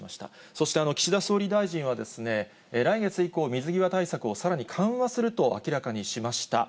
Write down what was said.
そして岸田総理大臣は、来月以降、水際対策をさらに緩和すると明らかにしました。